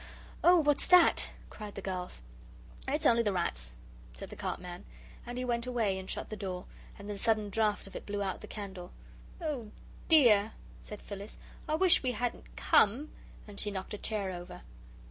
"Oh, what's that?" cried the girls. "It's only the rats," said the cart man. And he went away and shut the door, and the sudden draught of it blew out the candle. "Oh, dear," said Phyllis, "I wish we hadn't come!" and she knocked a chair over.